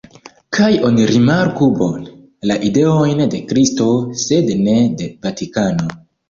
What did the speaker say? Kaj oni rimarku bone: la ideojn de Kristo sed ne de Vatikano.